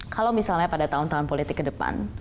kalau misalnya pada tahun tahun politik ke depan